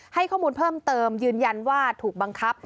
ให้ข้อมูลเพิ่มเติมยืนยันว่าถูกบังคับ